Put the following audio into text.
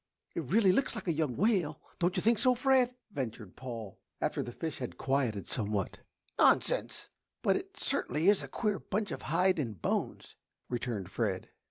"It really looks like a young whale, don't you think so, Fred?" ventured Paul, after the fish had quieted somewhat. "Nonsense! But it certainly is a queer bunch of hide and bones," returned Fred.